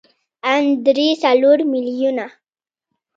ان درې څلور ميليونه.